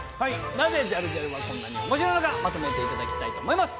なぜジャルジャルはこんなに面白いのかまとめていただきたいと思います。